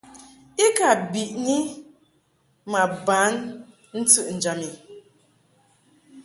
I ka biʼni ma ban ntɨʼnjam i.